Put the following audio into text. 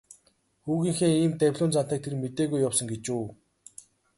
Хүүгийнхээ ийм давилуун зантайг тэр мэдээгүй явсан гэж үү.